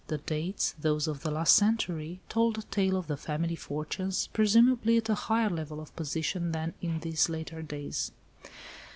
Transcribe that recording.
The dates, those of the last century, told a tale of the family fortunes, presumably at a higher level of position than in these later days.